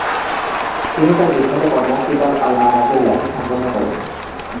তিনি তার বিখ্যাত কর্ম, "কিতাব আল মানাযির" লেখা সম্পন্ন করেন।